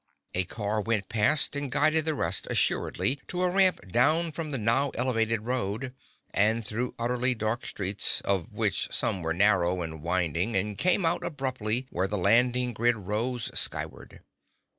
A car went past and guided the rest assuredly to a ramp down from the now elevated road, and through utterly dark streets, of which some were narrow and winding, and came out abruptly where the landing grid rose skyward.